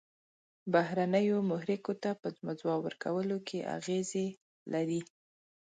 بهرنیو محرکو ته په ځواب ورکولو کې اغیزې لري.